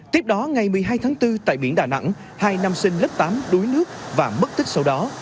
tiếp đó ngày một mươi hai tháng bốn tại biển đà nẵng hai nam sinh lớp tám đuối nước và mất tích sau đó